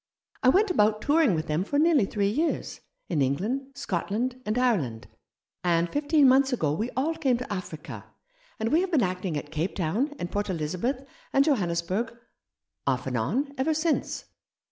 I went about touring with them for nearly three years, in England, Scotland, and Ireland ; and fifteen months ago we all came to Africa, and we have been acting at Capetown, 9 Rough Justice and Port Elizabeth, and Johannesburg, off and on, ever since.